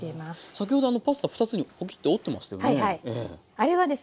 先ほどパスタ２つにポキッと折ってましたよね？